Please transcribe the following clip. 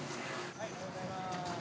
はいおはようございまーす。